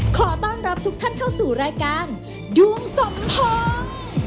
ขอต้อนรับทุกท่านเข้าสู่รายการดวงสมพง